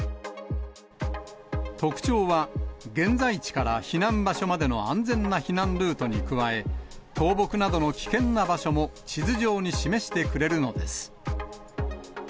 特徴は、現在地から避難場所までの安全な避難ルートに加え、倒木などの危険な場所も地図上に示してくれるのです。